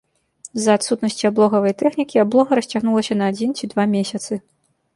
З-за адсутнасці аблогавай тэхнікі аблога расцягнулася на адзін ці два месяцы.